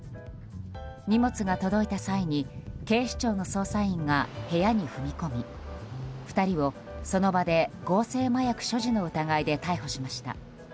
荷物が届いた際に警視庁の捜査員が部屋に踏み込み２人をその場で合成麻薬所持の疑いで逮捕しました。